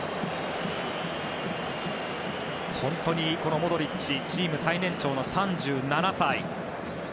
モドリッチチーム最年長の３７歳。